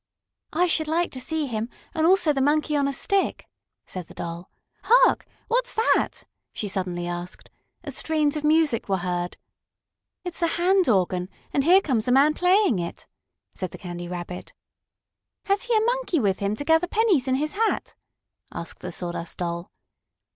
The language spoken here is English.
"I should like to see him, and also the Monkey on a Stick," said the Doll. "Hark! What's that?" she suddenly asked, as strains of music were heard. "It's a hand organ, and here comes a man playing it," said the Candy Rabbit. "Has he a monkey with him to gather pennies in his hat?" asked the Sawdust Doll.